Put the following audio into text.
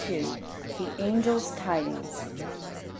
] THE ANGEL'S TIDINGS.